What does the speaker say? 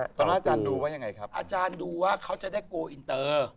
สามารถอาจารย์ดูว่ายังไงครับอาจารย์ดูว่าเขาจะได้โกลอินเตอร์